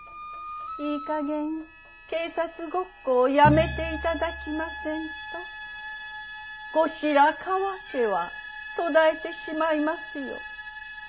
いい加減警察ごっこをやめて頂きませんと後白河家は途絶えてしまいますよ。